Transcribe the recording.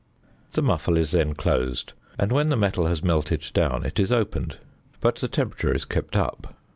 The muffle is then closed, and when the metal has melted down, it is opened, but the temperature is kept up.